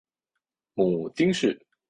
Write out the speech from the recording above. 母金氏。